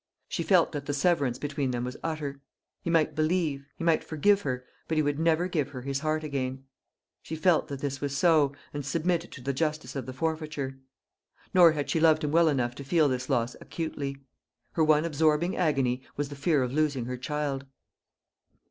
She felt that the severance between them was utter. He might believe, he might forgive her; but he would never give her his heart again. She felt that this was so, and submitted to the justice of the forfeiture. Nor had she loved him well enough to feel this loss acutely. Her one absorbing agony was the fear of losing her child.